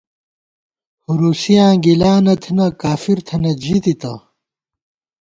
ہُورُوسیاں گِلانہ تھنہ ، کافر تھنئیت ، ژی تِتہ